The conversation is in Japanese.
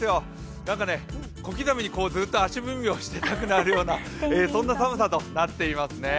なんかね、小刻みにずっと足踏みをしていたくなるような、そんな寒さとなっていますね。